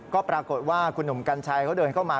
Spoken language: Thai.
ก็ปรากฏว่าคุณหนุ่มกัญชัยเขาเดินเข้ามา